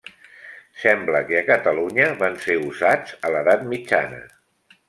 Sembla que a Catalunya van ser usats a l'edat mitjana.